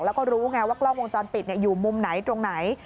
แล้วก็รู้ไงว่ากล้องวงจรปิดอยู่มุมไหนตรงไหน